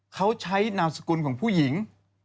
เขาใช้นามสกุลของผู้หญิง